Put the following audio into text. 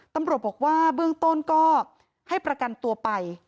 ตำรวจบอกว่าเบื้องต้นก็ให้ประกันตัวไป